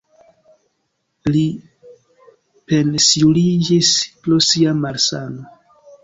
Li pensiuliĝis pro sia malsano.